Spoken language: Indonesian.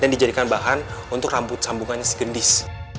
dan dijadikan bahan untuk rambut sambungannya si gendis